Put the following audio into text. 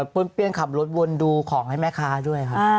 ปุ้นเปลี่ยนขับรถวนดูของให้แม่ค้าด้วยค่ะ